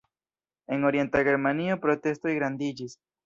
En orienta Germanio protestoj grandiĝis.